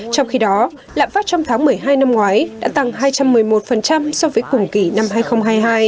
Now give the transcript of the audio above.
trong khi đó lạm phát trong tháng một mươi hai năm ngoái đã tăng hai trăm một mươi một so với cùng kỳ năm hai nghìn hai mươi hai